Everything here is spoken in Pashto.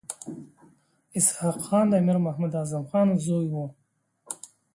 اسحق خان د امیر محمد اعظم خان زوی وو.